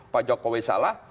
pak jokowik salah